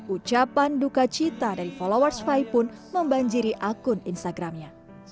ucapan duka cita dari followers vie pun membanjiri akun instagramnya